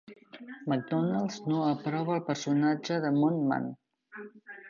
McDonald's no aprova el personatge de Moon Man.